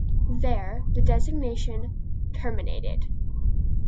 There the designation terminated.